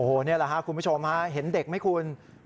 โอ้โฮนี่แหละค่ะคุณผู้ชมเห็นเด็กไหมคุณ